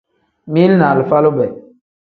Mili ni alifa lube.